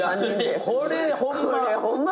いやこれホンマ。